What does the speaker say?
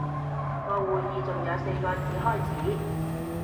個會議仲有四個字開始